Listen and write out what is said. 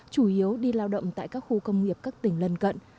chủ yếu đi lao động tại các khu công nghiệp các tỉnh lân cận